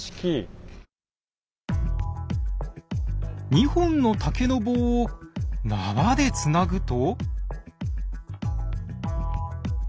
２本の竹の棒を縄でつなぐと。